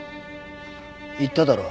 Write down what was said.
言っただろ？